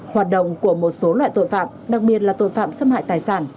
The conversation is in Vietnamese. hoạt động của một số loại tội phạm đặc biệt là tội phạm xâm hại tài sản